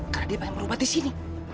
karena dia banyak berubat disini